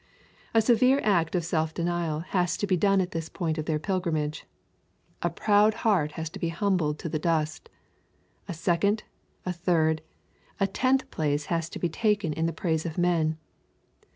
A severe act of self denial has to be done at this point of their pilgrimage. A proud heart has to be humbled to the dust. A second, a third, a tenth place has to be taken in the praise of men.